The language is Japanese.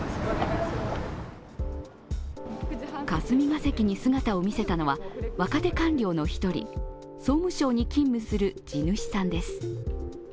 霞が関に姿を見せたのは若手官僚の１人、総務省に勤務する地主さんです。